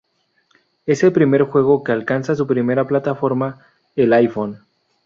Es el primer juego que alcanza su primera plataforma, "el iPhone".